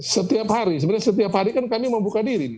setiap hari sebenarnya setiap hari kan kami membuka diri